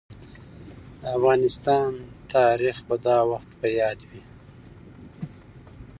د افغانستان تاريخ به دا وخت په ياد وي.